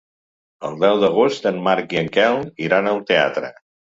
El deu d'agost en Marc i en Quel iran al teatre.